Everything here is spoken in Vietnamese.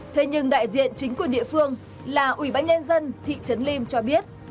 thế nhưng đại diện chính quyền địa phương là ủy ban nhân dân thị trấn lim cho biết